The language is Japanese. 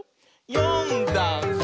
「よんだんす」